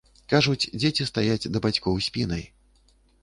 Кажуць, дзеці стаяць да бацькоў спінай.